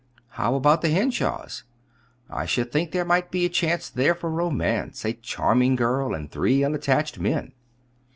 "How about the Henshaws? I should think there might be a chance there for a romance a charming girl, and three unattached men."